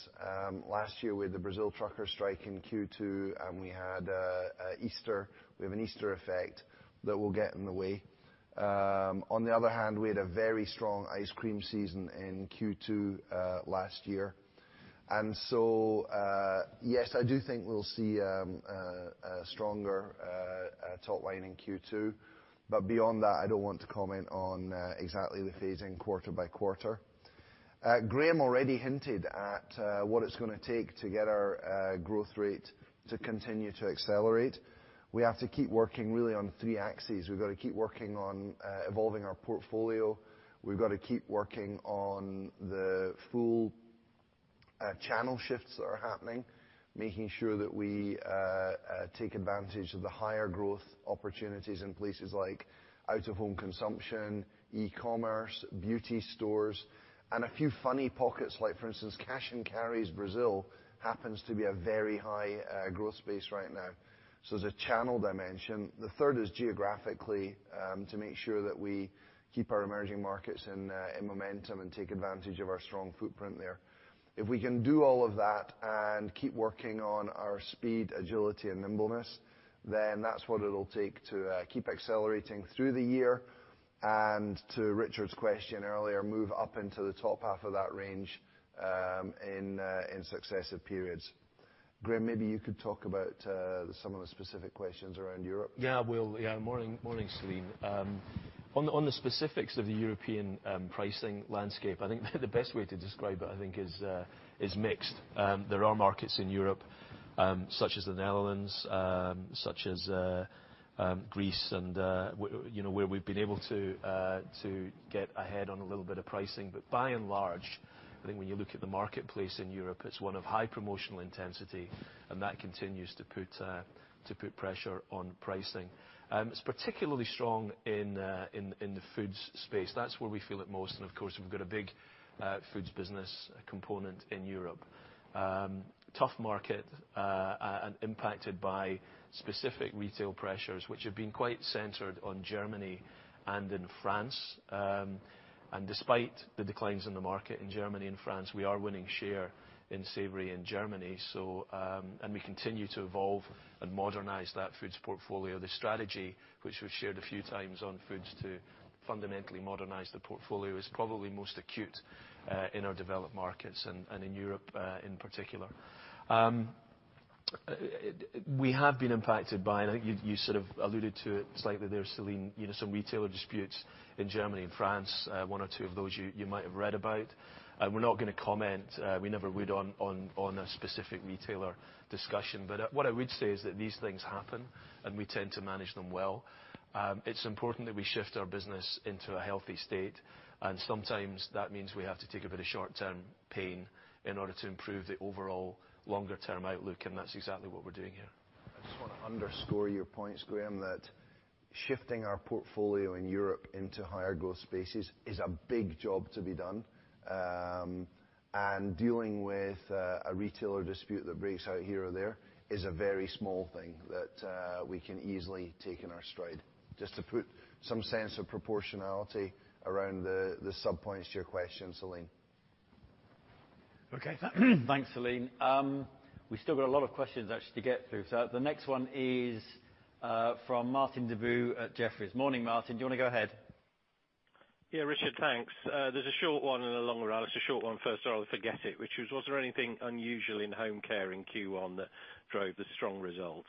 Speaker 3: Last year, we had the Brazil trucker strike in Q2, and we had Easter. We have an Easter effect that will get in the way. On the other hand, we had a very strong ice cream season in Q2 last year. Yes, I do think we'll see a stronger top line in Q2. Beyond that, I don't want to comment on exactly the phasing quarter by quarter. Graeme already hinted at what it's going to take to get our growth rate to continue to accelerate. We have to keep working really on three axes. We've got to keep working on evolving our portfolio. We've got to keep working on the full channel shifts that are happening, making sure that we take advantage of the higher growth opportunities in places like out of home consumption, e-commerce, beauty stores, and a few funny pockets like, for instance, cash and carries Brazil happens to be a very high growth space right now. There's a channel dimension. The third is geographically, to make sure that we keep our emerging markets in momentum and take advantage of our strong footprint there. If we can do all of that and keep working on our speed, agility, and nimbleness, that's what it'll take to keep accelerating through the year. To Richard's question earlier, move up into the top half of that range in successive periods. Graeme, maybe you could talk about some of the specific questions around Europe.
Speaker 2: Yeah, I will. Morning, Celine. On the specifics of the European pricing landscape, I think the best way to describe it is mixed. There are markets in Europe, such as the Netherlands, such as Greece, where we've been able to get ahead on a little bit of pricing. By and large, I think when you look at the marketplace in Europe, it's one of high promotional intensity. That continues to put pressure on pricing. It's particularly strong in the foods space. That's where we feel it most. Of course, we've got a big foods business component in Europe. Tough market. Impacted by specific retail pressures, which have been quite centered on Germany and in France. Despite the declines in the market in Germany and France, we are winning share in savory in Germany. We continue to evolve and modernize that foods portfolio. The strategy, which we've shared a few times on foods to fundamentally modernize the portfolio, is probably most acute in our developed markets and in Europe in particular. We have been impacted by, and I think you sort of alluded to it slightly there, Celine, some retailer disputes in Germany and France. One or two of those you might have read about. We're not going to comment. We never would on a specific retailer discussion. What I would say is that these things happen. We tend to manage them well. It's important that we shift our business into a healthy state. Sometimes that means we have to take a bit of short-term pain in order to improve the overall longer-term outlook. That's exactly what we're doing here.
Speaker 3: I just want to underscore your points, Graeme, that shifting our portfolio in Europe into higher growth spaces is a big job to be done. Dealing with a retailer dispute that breaks out here or there is a very small thing that we can easily take in our stride. Just to put some sense of proportionality around the sub-points to your question, Celine.
Speaker 1: Okay. Thanks, Celine. We've still got a lot of questions, actually, to get through. The next one is from Martin Deboo at Jefferies. Morning, Martin. Do you want to go ahead?
Speaker 7: Richard, thanks. There's a short one and a longer one. I'll ask the short one first or I'll forget it, which was there anything unusual in Home Care in Q1 that drove the strong result?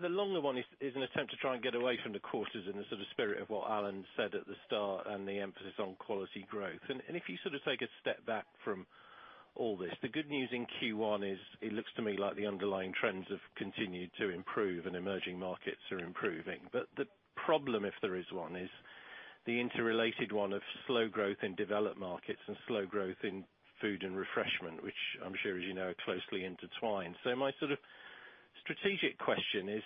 Speaker 7: The longer one is an attempt to try and get away from the quarters in the spirit of what Alan said at the start and the emphasis on quality growth. If you take a step back from all this, the good news in Q1 is it looks to me like the underlying trends have continued to improve and emerging markets are improving. The problem, if there is one, is the interrelated one of slow growth in developed markets and slow growth in Food and Refreshment, which I'm sure as you know, are closely intertwined. My strategic question is,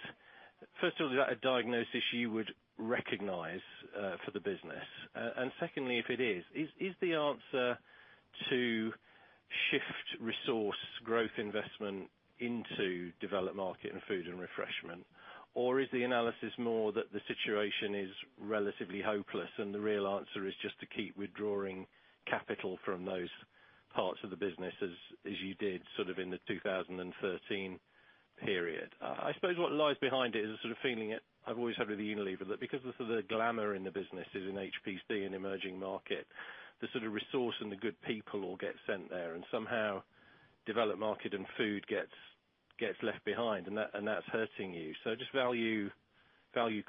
Speaker 7: first of all, is that a diagnosis you would recognize for the business? Secondly, if it is the answer to shift resource growth investment into developed market and Food and Refreshment, or is the analysis more that the situation is relatively hopeless and the real answer is just to keep withdrawing capital from those parts of the business as you did in the 2013 period? I suppose what lies behind it is the feeling that I've always had with Unilever, that because the glamour in the business is in HPC and emerging market, the resource and the good people all get sent there, and somehow developed market and Food gets left behind, and that's hurting you. Just value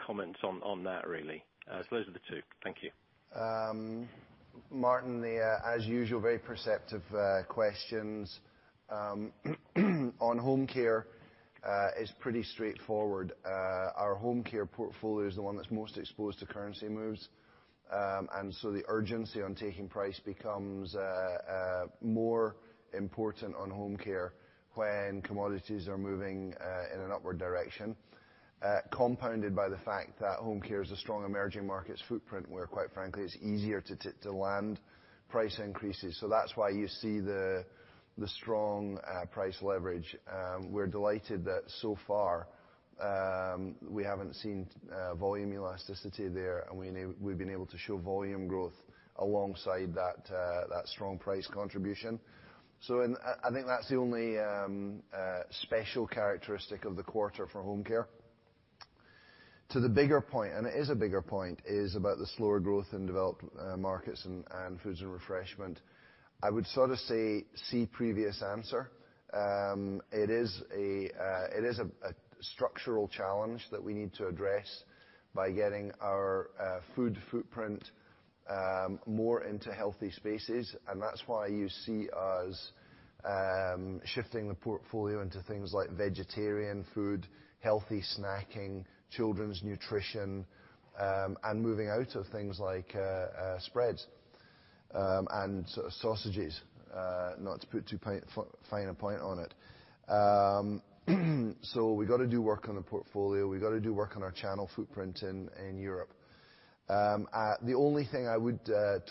Speaker 7: comments on that really. Those are the two. Thank you.
Speaker 3: Martin, as usual, very perceptive questions. On Home Care, it's pretty straightforward. Our Home Care portfolio is the one that's most exposed to currency moves. The urgency on taking price becomes more important on Home Care when commodities are moving in an upward direction, compounded by the fact that Home Care is a strong emerging markets footprint where, quite frankly, it's easier to land price increases. That's why you see the strong price leverage. We're delighted that so far we haven't seen volume elasticity there, and we've been able to show volume growth alongside that strong price contribution. I think that's the only special characteristic of the quarter for Home Care. To the bigger point, it is a bigger point, is about the slower growth in developed markets and Food and Refreshment. I would say see previous answer. It is a structural challenge that we need to address by getting our food footprint more into healthy spaces, and that's why you see us shifting the portfolio into things like vegetarian food, healthy snacking, children's nutrition, and moving out of things like spreads and sausages, not to put too fine a point on it. We've got to do work on the portfolio. We've got to do work on our channel footprint in Europe. The only thing I would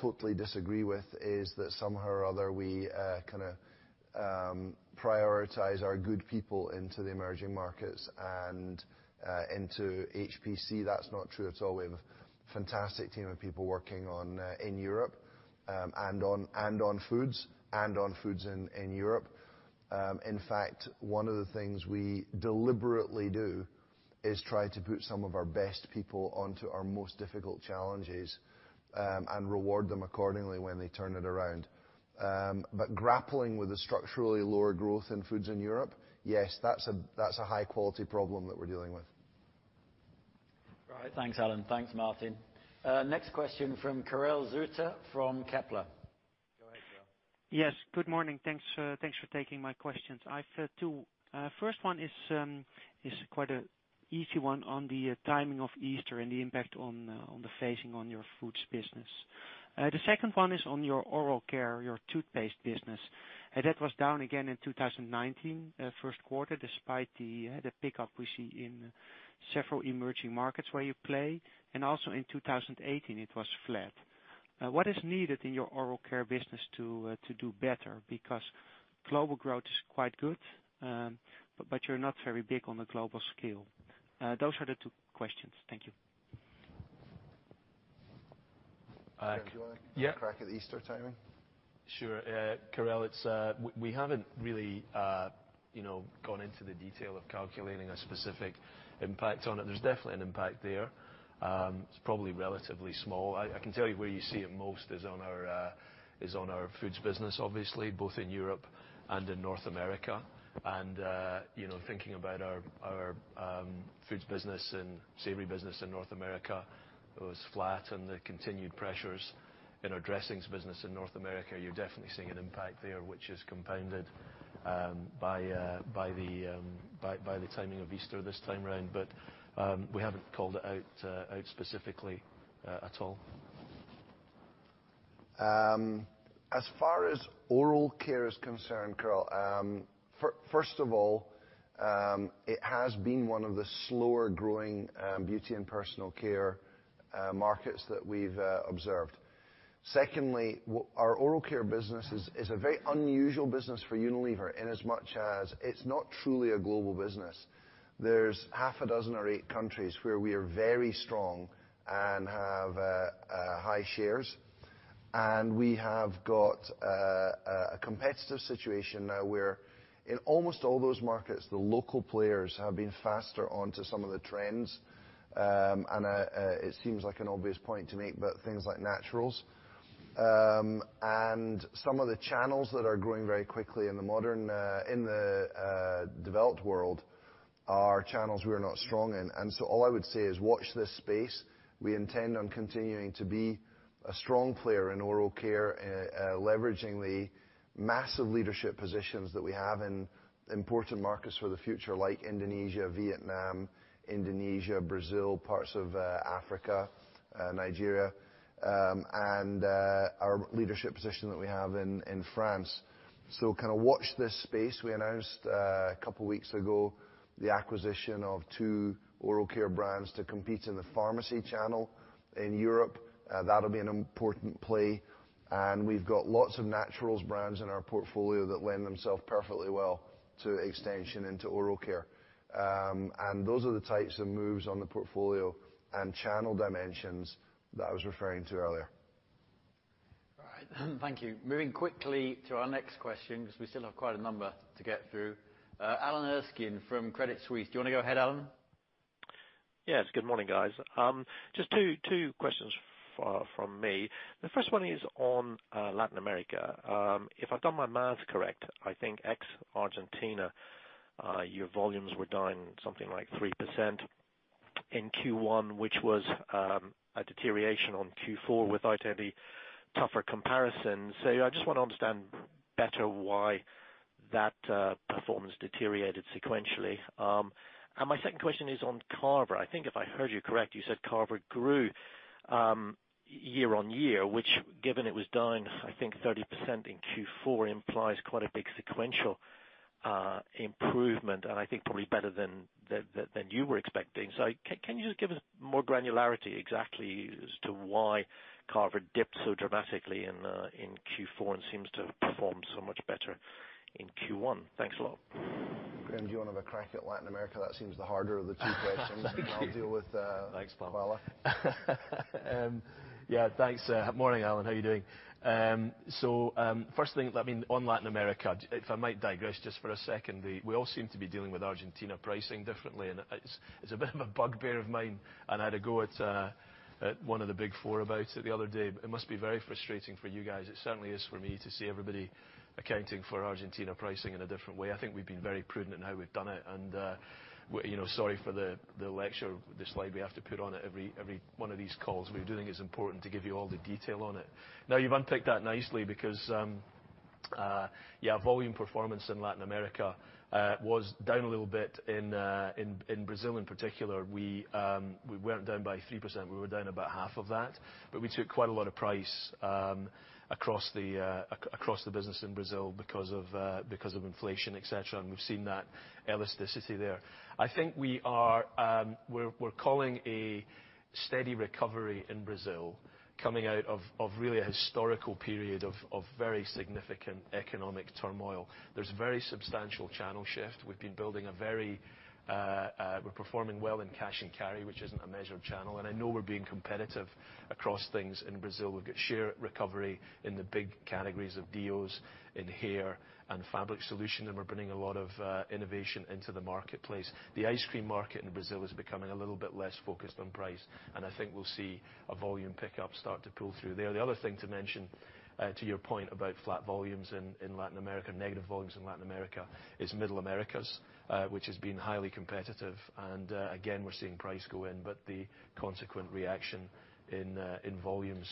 Speaker 3: totally disagree with is that somehow or other we prioritize our good people into the emerging markets and into HPC. That's not true at all. We have a fantastic team of people working in Europe and on foods and on foods in Europe. In fact, one of the things we deliberately do is try to put some of our best people onto our most difficult challenges, and reward them accordingly when they turn it around. Grappling with the structurally lower growth in foods in Europe, yes, that's a high-quality problem that we're dealing with.
Speaker 2: All right. Thanks, Alan. Thanks, Martin. Next question from Karel Zuta from Kepler. Go ahead, Karel.
Speaker 8: Yes. Good morning. Thanks for taking my questions. I've two. First one is quite an easy one on the timing of Easter and the impact on the phasing on your foods business. The second one is on your oral care, your toothpaste business. That was down again in 2019, first quarter, despite the pick-up we see in several emerging markets where you play, and also in 2018 it was flat. What is needed in your oral care business to do better? Because global growth is quite good, but you're not very big on the global scale. Those are the two questions. Thank you.
Speaker 3: Graeme, do you want to-
Speaker 2: Yeah
Speaker 3: have a crack at the Easter timing?
Speaker 2: Sure. Karel, we haven't really gone into the detail of calculating a specific impact on it. There's definitely an impact there. It's probably relatively small. I can tell you where you see it most is on our foods business, obviously, both in Europe and in North America. Thinking about our foods business and savory business in North America, it was flat, and the continued pressures in our dressings business in North America, you're definitely seeing an impact there, which is compounded by the timing of Easter this time round. We haven't called it out specifically at all.
Speaker 3: As far as oral care is concerned, Karel, first of all, it has been one of the slower-growing beauty and personal care markets that we've observed. Secondly, our oral care business is a very unusual business for Unilever in as much as it's not truly a global business. There's half a dozen or eight countries where we are very strong and have high shares, and we have got a competitive situation now where in almost all those markets, the local players have been faster onto some of the trends. It seems like an obvious point to make, but things like naturals. Some of the channels that are growing very quickly in the developed world are channels we're not strong in. All I would say is watch this space. We intend on continuing to be a strong player in oral care, leveraging the massive leadership positions that we have in important markets for the future, like Indonesia, Vietnam, Indonesia, Brazil, parts of Africa, Nigeria, and our leadership position that we have in France. Watch this space. We announced a couple of weeks ago the acquisition of two oral care brands to compete in the pharmacy channel in Europe. That'll be an important play, and we've got lots of naturals brands in our portfolio that lend themselves perfectly well to extension into oral care. Those are the types of moves on the portfolio and channel dimensions that I was referring to earlier.
Speaker 2: All right. Thank you. Moving quickly to our next question because we still have quite a number to get through. Alan Erskine from Credit Suisse. Do you want to go ahead, Alan?
Speaker 9: Yes. Good morning, guys. Just two questions from me. The first one is on Latin America. If I've done my math correct, I think ex-Argentina, your volumes were down something like 3% in Q1, which was a deterioration on Q4 without any tougher comparisons. I just want to understand better why that performance deteriorated sequentially. My second question is on Carver. I think if I heard you correct, you said Carver grew year-on-year, which given it was down, I think 30% in Q4, implies quite a big sequential improvement, and I think probably better than you were expecting. Can you just give us more granularity exactly as to why Carver dipped so dramatically in Q4 and seems to have performed so much better in Q1? Thanks a lot.
Speaker 3: Graeme, do you want to have a crack at Latin America? That seems the harder of the two questions.
Speaker 2: Thank you.
Speaker 3: I'll.
Speaker 2: Thanks, pal.
Speaker 3: Pallet.
Speaker 2: Yeah. Thanks. Morning, Alan. How are you doing? First thing, on Latin America, if I might digress just for a second, we all seem to be dealing with Argentina pricing differently, and it's a bit of a bugbear of mine, and I had a go at one of the Big Four about it the other day. It must be very frustrating for you guys. It certainly is for me to see everybody accounting for Argentina pricing in a different way. I think we've been very prudent in how we've done it. Sorry for the lecture, the slide we have to put on at every one of these calls, we do think it's important to give you all the detail on it. You've unticked that nicely because volume performance in Latin America was down a little bit in Brazil in particular. We weren't down by 3%, we were down about half of that. We took quite a lot of price across the business in Brazil because of inflation, et cetera, and we've seen that elasticity there. I think we're calling a
Speaker 3: Steady recovery in Brazil, coming out of really a historical period of very significant economic turmoil. There's very substantial channel shift. We're performing well in cash and carry, which isn't a measured channel, and I know we're being competitive across things in Brazil. We've got share recovery in the big categories of DEOs, in hair and fabric solution, and we're bringing a lot of innovation into the marketplace. The ice cream market in Brazil is becoming a little bit less focused on price, and I think we'll see a volume pickup start to pull through there. The other thing to mention, to your point about flat volumes in Latin America, negative volumes in Latin America, is Middle Americas, which has been highly competitive. Again, we're seeing price go in, but the consequent reaction in volumes.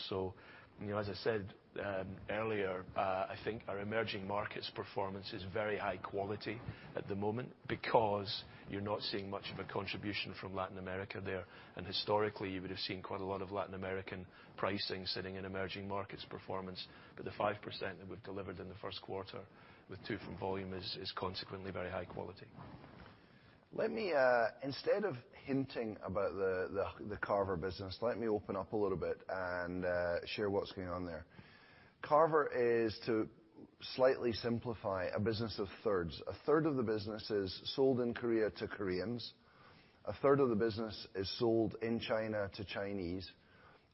Speaker 3: As I said earlier, I think our emerging markets performance is very high quality at the moment because you're not seeing much of a contribution from Latin America there. Historically, you would've seen quite a lot of Latin American pricing sitting in emerging markets performance. The 5% that we've delivered in the first quarter, with two from volume, is consequently very high quality. Instead of hinting about the Carver business, let me open up a little bit and share what's going on there. Carver is, to slightly simplify, a business of thirds. A third of the business is sold in Korea to Koreans, a third of the business is sold in China to Chinese,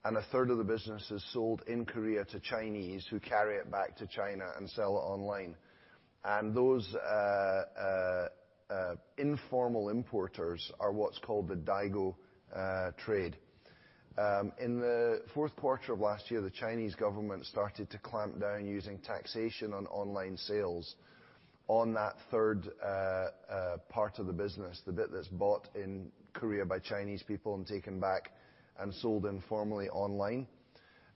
Speaker 3: and a third of the business is sold in Korea to Chinese who carry it back to China and sell it online. Those informal importers are what's called the Daigou trade. In the fourth quarter of last year, the Chinese government started to clamp down using taxation on online sales on that third part of the business, the bit that's bought in Korea by Chinese people and taken back and sold informally online.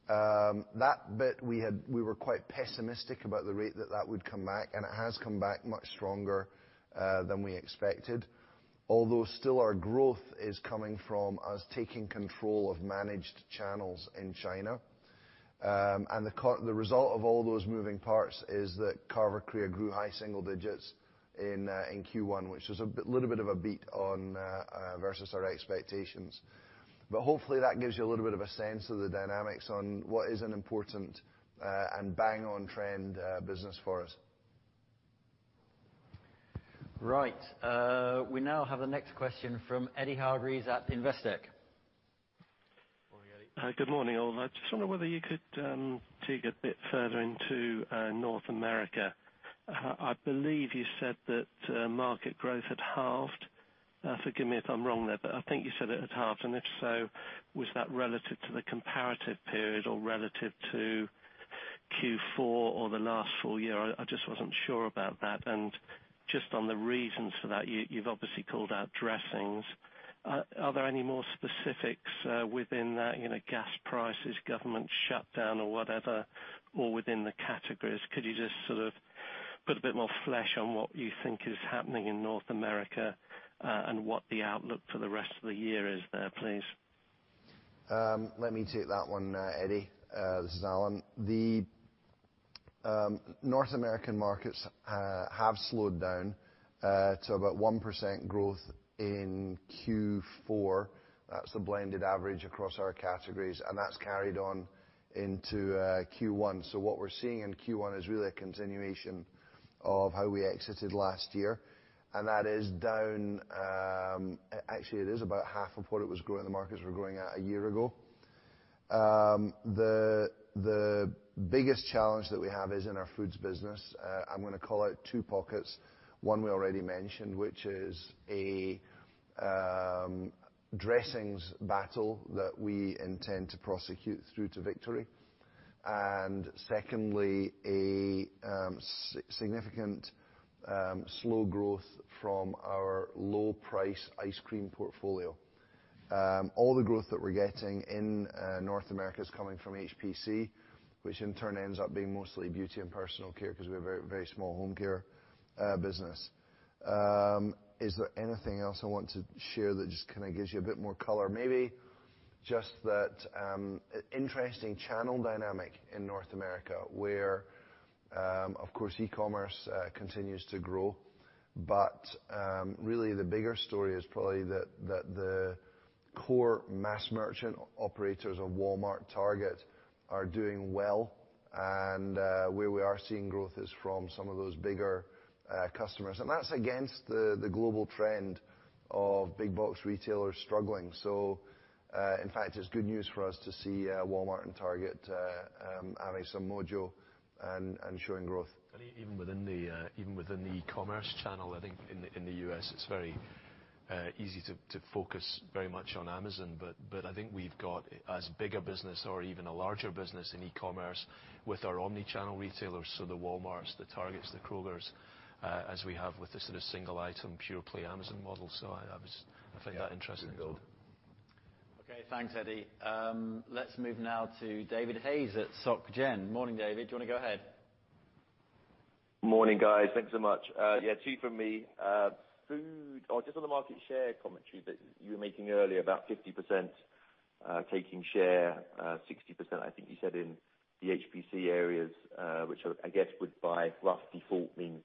Speaker 3: That bit, we were quite pessimistic about the rate that that would come back, and it has come back much stronger than we expected. Still our growth is coming from us taking control of managed channels in China. The result of all those moving parts is that Carver Korea grew high single digits in Q1, which was a little bit of a beat versus our expectations. Hopefully that gives you a little bit of a sense of the dynamics on what is an important, and bang-on trend business for us.
Speaker 1: Right. We now have the next question from Eddy Hargreaves at Investec.
Speaker 2: Morning, Eddy.
Speaker 10: Good morning, all. I just wonder whether you could dig a bit further into North America. I believe you said that market growth had halved. Forgive me if I'm wrong there, but I think you said it had halved. If so, was that relative to the comparative period or relative to Q4 or the last full year? I just wasn't sure about that. Just on the reasons for that, you've obviously called out dressings. Are there any more specifics within that? Gas prices, government shutdown, or whatever, or within the categories. Could you just put a bit more flesh on what you think is happening in North America, and what the outlook for the rest of the year is there, please?
Speaker 3: Let me take that one, Eddy. This is Alan. The North American markets have slowed down to about 1% growth in Q4. That's the blended average across our categories, that's carried on into Q1. What we're seeing in Q1 is really a continuation of how we exited last year, that is down, actually it is about half of what the markets were growing at a year ago. The biggest challenge that we have is in our foods business. I'm going to call out two pockets. One we already mentioned, which is a dressings battle that we intend to prosecute through to victory. Secondly, a significant slow growth from our low price ice cream portfolio. All the growth that we're getting in North America is coming from HPC, which in turn ends up being mostly beauty and personal care because we're a very small home care business. Is there anything else I want to share that just kind of gives you a bit more color? Maybe just that interesting channel dynamic in North America where, of course, e-commerce continues to grow. Really the bigger story is probably that the core mass merchant operators of Walmart, Target are doing well, and where we are seeing growth is from some of those bigger customers. That's against the global trend of big box retailers struggling. In fact, it's good news for us to see Walmart and Target adding some mojo and showing growth.
Speaker 2: Even within the e-commerce channel, I think in the U.S., it's very easy to focus very much on Amazon. I think we've got as big a business or even a larger business in e-commerce with our omni-channel retailers, so the Walmarts, the Targets, the Kroger, as we have with the sort of single item purely Amazon model. I find that interesting as well.
Speaker 1: Yeah. Good build. Okay, thanks, Eddy. Let's move now to David Hayes at Société Générale. Morning, David. Do you want to go ahead?
Speaker 11: Morning, guys. Thanks so much. Yeah, two from me. Just on the market share commentary that you were making earlier, about 50% taking share, 60% I think you said in the HPC areas, which I guess would by rough default mean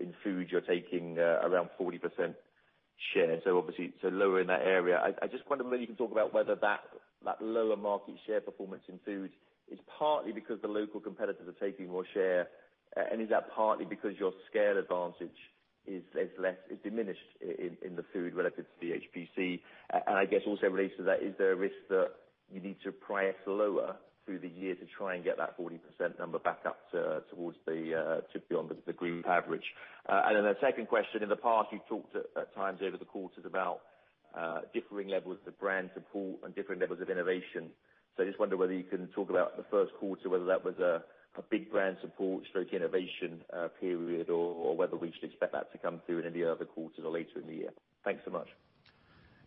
Speaker 11: in food you're taking around 40% share, obviously, lower in that area. I just wonder whether you can talk about whether that lower market share performance in food is partly because the local competitors are taking more share, and is that partly because your scale advantage is diminished in the food relative to the HPC? I guess also related to that, is there a risk that you need to price lower through the year to try and get that 40% number back up to be on the group average? A second question, in the past, you've talked at times over the quarters about differing levels of brand support and differing levels of innovation. I just wonder whether you can talk about the first quarter, whether that was a big brand support/innovation period or whether we should expect that to come through in any other quarters or later in the year. Thanks so much.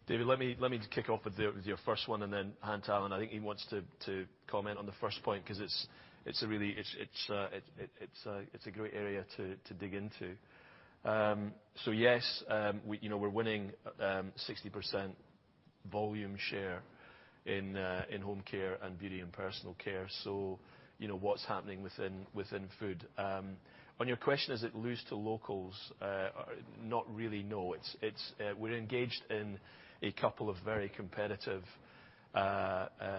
Speaker 2: David, let me kick off with your first one, then Alan Jope, I think he wants to comment on the first point because it's a great area to dig into. Yes, we're winning 60% volume share in home care and beauty and personal care. What's happening within Food? On your question, is it lose to locals? Not really, no. We're engaged in a couple of very competitive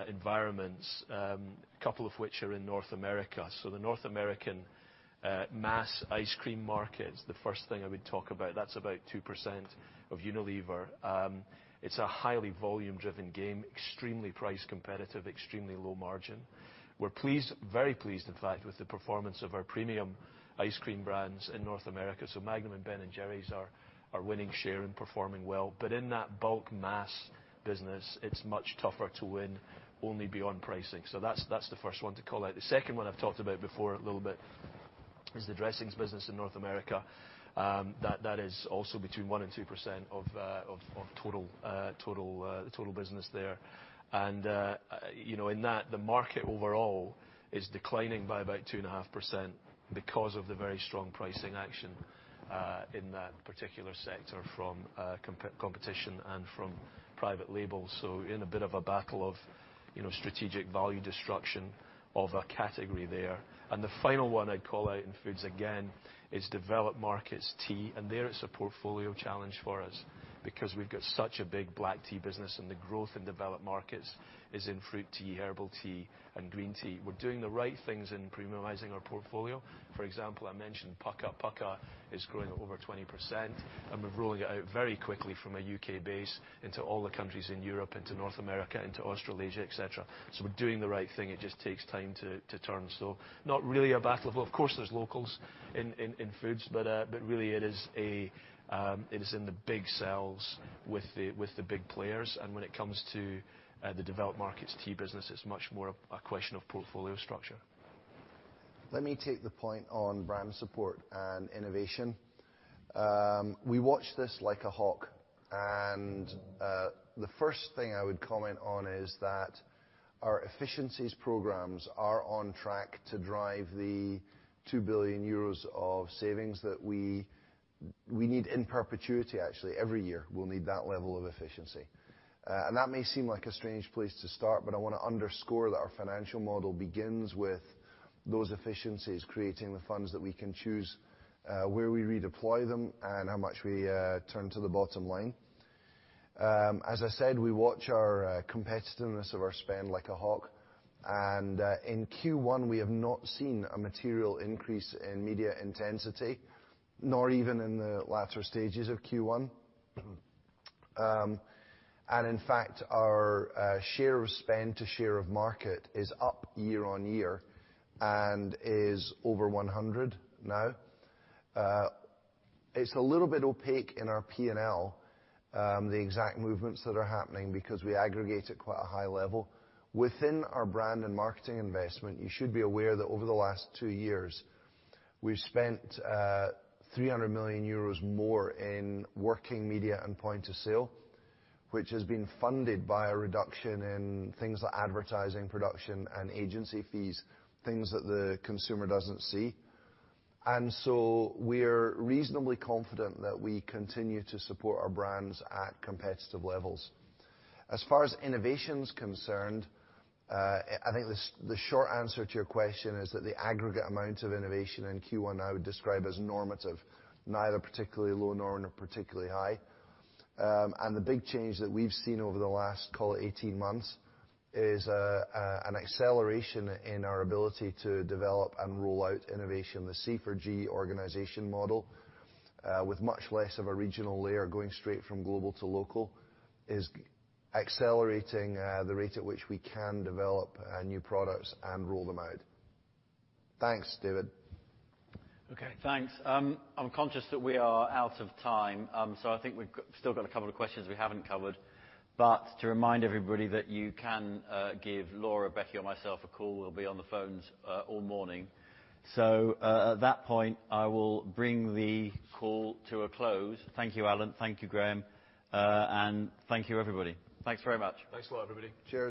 Speaker 2: environments, a couple of which are in North America. The North American mass ice cream market is the first thing I would talk about. That's about 2% of Unilever. It's a highly volume-driven game, extremely price competitive, extremely low margin. We're pleased, in fact, with the performance of our premium ice cream brands in North America. Magnum and Ben & Jerry's are winning share and performing well. In that bulk mass business, it's much tougher to win only beyond pricing. That's the first one to call out. The second one I've talked about before a little bit is the dressings business in North America. That is also between 1% and 2% of the total business there. In that, the market overall is declining by about 2.5% because of the very strong pricing action, in that particular sector from competition and from private label. In a bit of a battle of strategic value destruction of a category there. The final one I'd call out in foods again, is developed markets tea, there it's a portfolio challenge for us because we've got such a big black tea business and the growth in developed markets is in fruit tea, herbal tea, and green tea. We're doing the right things in premiumizing our portfolio. For example, I mentioned Pukka. Pukka is growing at over 20%, and we're rolling it out very quickly from a U.K. base into all the countries in Europe, into North America, into Australasia, et cetera. We're doing the right thing. It just takes time to turn. Not really a battle. Of course, there's locals in foods, but really it is in the big sells with the big players, and when it comes to the developed markets tea business, it's much more a question of portfolio structure.
Speaker 3: Let me take the point on brand support and innovation. We watch this like a hawk. The first thing I would comment on is that our efficiencies programs are on track to drive the 2 billion euros of savings that we need in perpetuity, actually, every year, we'll need that level of efficiency. That may seem like a strange place to start, but I want to underscore that our financial model begins with those efficiencies, creating the funds that we can choose where we redeploy them and how much we turn to the bottom line. As I said, we watch our competitiveness of our spend like a hawk. In Q1, we have not seen a material increase in media intensity, nor even in the latter stages of Q1. In fact, our share of spend to share of market is up year-on-year and is over 100 now. It's a little bit opaque in our P&L, the exact movements that are happening because we aggregate at quite a high level. Within our brand and marketing investment, you should be aware that over the last two years, we've spent 300 million euros more in working media and point to sale, which has been funded by a reduction in things like advertising, production, and agency fees, things that the consumer doesn't see. We're reasonably confident that we continue to support our brands at competitive levels. As far as innovation's concerned, I think the short answer to your question is that the aggregate amount of innovation in Q1, I would describe as normative, neither particularly low nor particularly high. The big change that we've seen over the last, call it 18 months, is an acceleration in our ability to develop and roll out innovation. The C4G organization model, with much less of a regional layer going straight from global to local, is accelerating the rate at which we can develop new products and roll them out. Thanks, David.
Speaker 1: Okay, thanks. I'm conscious that we are out of time. I think we've still got a couple of questions we haven't covered. To remind everybody that you can give Laura, Becky, or myself a call, we'll be on the phones all morning. At that point, I will bring the call to a close. Thank you, Alan. Thank you, Graeme. Thank you, everybody.
Speaker 2: Thanks very much.
Speaker 3: Thanks a lot, everybody. Cheers.